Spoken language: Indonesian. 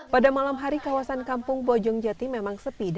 pada malam hari kawasan kampung bojong jati memang sepi